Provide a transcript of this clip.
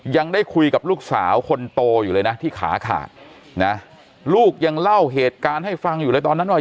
ยังได้คุยกับลูกสาวคนโตอยู่เลยนะที่ขาขาดนะลูกยังเล่าเหตุการณ์ให้ฟังอยู่เลยตอนนั้นหน่อย